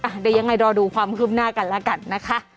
เดี๋ยวยังไงรอดูความคืบหน้ากันแล้วกันนะคะ